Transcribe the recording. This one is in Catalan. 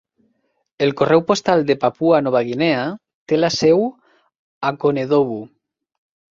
El Correu postal de Papua Nova Guinea té la seu a Konedobu.